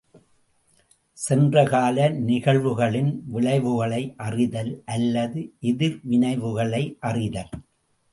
சென்றகால நிகழ்வுகளின் விளைவுகளை அறிதல் அல்லது எதிர்விளைவுகளை அறிதல்.